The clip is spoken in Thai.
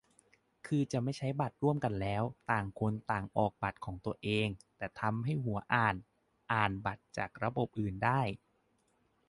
คือจะไม่ใช้บัตรร่วมกันแล้ว ต่างคนต่างออกบัตรของตัวเอง แต่ทำให้หัวอ่านอ่านบัตรจากระบบอื่นได้